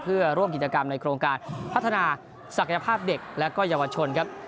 เพื่อร่วมกิจกรรมในโครงการพัฒนาศักยภาพเด็กและก็เยาวชนครับ